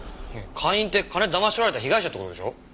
会員って金騙し取られた被害者って事でしょ？